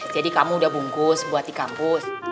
jadi kamu udah bungkus buat di kampus